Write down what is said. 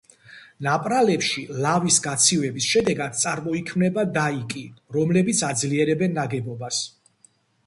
ნაპრალებში ლავის გაცივების შედეგად წარმოიქმნება დაიკი, რომლებიც აძლიერებენ ნაგებობას.